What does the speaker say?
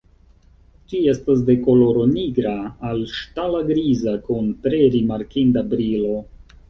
Ĝi estas de koloro nigra al ŝtala griza kun tre rimarkinda brilo.